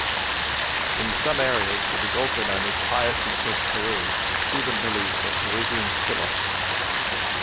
In some areas it is also known as hyacinth-of-Peru, Cuban-lily, or Peruvian scilla.